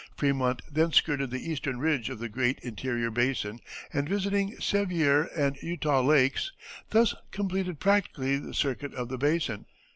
Frémont then skirted the eastern edge of the great interior basin and visiting Sevier and Utah Lakes, thus completed practically the circuit of the basin.